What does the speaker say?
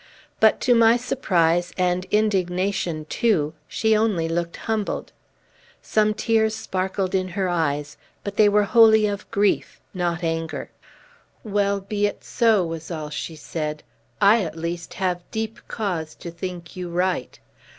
But, to my surprise, and indignation too, she only looked humbled. Some tears sparkled in her eyes, but they were wholly of grief, not anger. "Well, be it so," was all she said. "I, at least, have deep cause to think you right.